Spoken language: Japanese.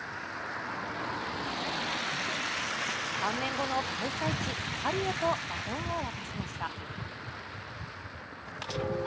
３年後の開催地・パリへとバトンを渡しました。